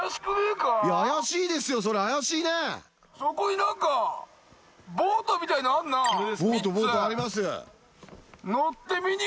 そこになんか、ボートみたいのあんな、３つ。